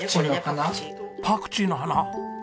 パクチーの花？